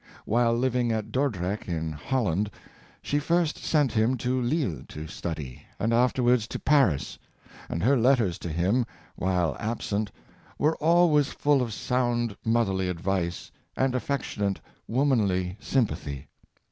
While living at Dordrecht, in Holland, she first sent him to Lille to study, and afterwards to Paris; and her letters 108 Ary Schefer's Mother, to him, while absent, were always full of sound moth erly advice, and affectionate womanly sympathy.